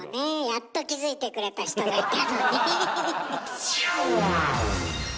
やっと気付いてくれた人がいたのに。